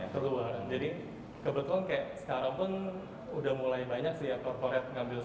keluarnya jadi kebetulan kayak sekarang pun udah mulai banyak sih yang corporate ngambil sama kita produksi